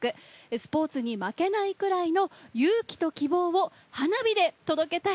スポーツに負けないくらいの勇気と希望を、花火で届けたい。